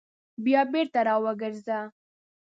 بیا بېرته راوګرځه !